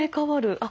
あっ！